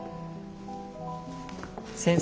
先生。